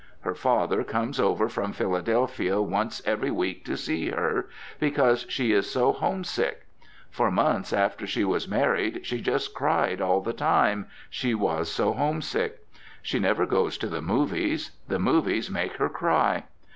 Her father comes over from Philadelphia once every week to see her, because she is so homesick. For months after she was married she just cried all the time, she was so homesick. She never goes to the movies. The movies make her cry.